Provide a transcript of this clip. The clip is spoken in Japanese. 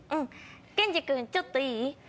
ケンジ君ちょっといい？